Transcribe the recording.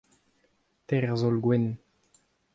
teir zaol gwenn.